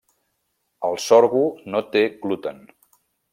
El sorgo no té gluten.